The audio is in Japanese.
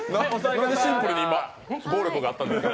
何なんでシンプルに今暴力があったんですか。